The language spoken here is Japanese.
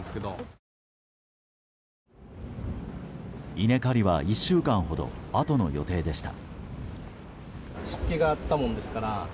稲刈りは１週間ほどあとの予定でした。